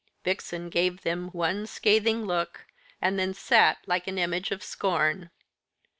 Vixen gave them one scathing look, and then sat like an image of scorn.